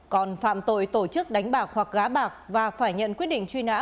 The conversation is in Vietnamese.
còn phạm tội tổ chức đánh bạc hoặc gá bạc và phải nhận quyết định truy nã